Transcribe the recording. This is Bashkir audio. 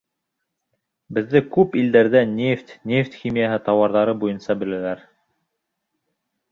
— Беҙҙе күп илдәрҙә нефть, нефть химияһы тауарҙары буйынса беләләр.